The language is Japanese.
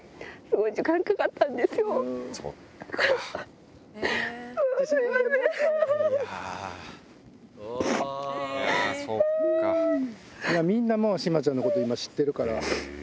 いや、みんなもう、志麻ちゃんのこと今、知ってるから。